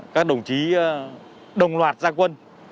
các đồng chí đồng loạt gia quân